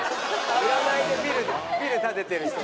占いでビル建ててる人。